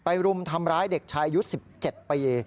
รุมทำร้ายเด็กชายอายุ๑๗ปี